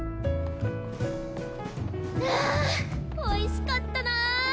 あおいしかったな！